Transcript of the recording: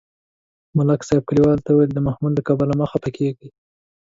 ملک صاحب کلیوالو ته ویل: د محمود له کبله مه خپه کېږئ.